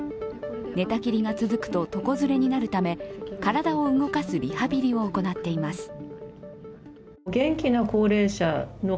寝たきりが続くと床ずれになるため体を動かすリハビリを行っています。